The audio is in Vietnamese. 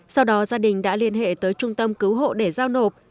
sau đó gia đình đã liên hệ tới trung tâm cứu hộ để giao nộp